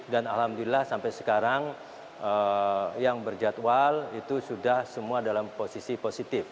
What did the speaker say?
dan alhamdulillah sampai sekarang yang berjadwal itu sudah semua dalam posisi positif